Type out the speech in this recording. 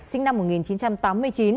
sinh năm một nghìn chín trăm tám mươi chín